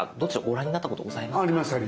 ご覧になったことございますか？